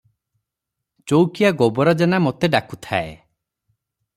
ଚୌକିଆ ଗୋବରା ଜେନା ମୋତେ ଡାକୁଥାଏ ।